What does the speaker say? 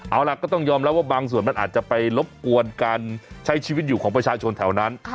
เอาล่ะก็ต้องยอมรับว่าบางส่วนมันอาจจะไปรบกวนการใช้ชีวิตอยู่ของประชาชนแถวนั้น